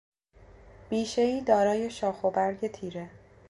بیشهای دارای شاخ و برگ تیره